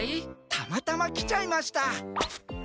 たまたま来ちゃいました。